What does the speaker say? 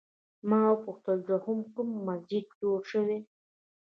ما وپوښتل دوهم کوم مسجد جوړ شوی؟